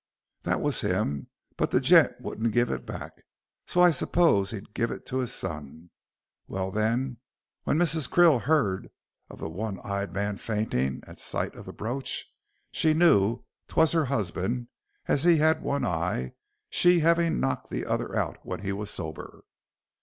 "That wos him; but the gent wouldn't give it back, so I 'spose he'd given it to his son. Well, then, when Mrs. Krill heard of the one eyed man fainting at sight of the brooch, she knew 'twas her husband, as he'd one eye, she having knocked the other out when he was sober."